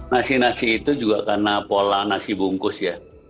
nasi nasi itu juga karena pola nasi bungkus ya